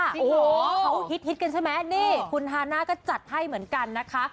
โอ้โหเขาฮิตกันใช่ไหมนี่คุณฮาน่าก็จัดให้เหมือนกันนะคะ